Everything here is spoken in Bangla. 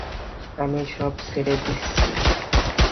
আমি সব ছেড়ে দিচ্ছি।